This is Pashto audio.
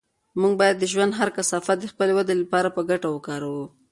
موږ باید د ژوند هر کثافت د خپلې ودې لپاره په ګټه وکاروو.